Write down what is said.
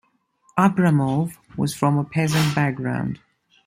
Abramov was from a peasant background.